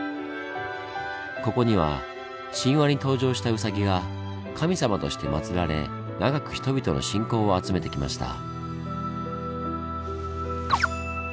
ここには神話に登場したウサギが神様としてまつられ長く人々の信仰を集めてきました。